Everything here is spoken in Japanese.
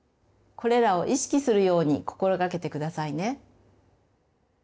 これらを意識するように心掛けてくださいね。